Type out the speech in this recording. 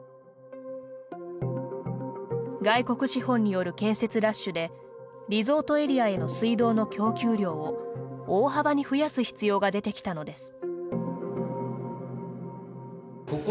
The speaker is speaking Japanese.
外国資本による建設ラッシュでリゾートエリアへの水道の供給量を大幅に増やす必要が出てきたのです。